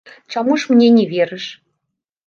Чаму ж мне не верыш?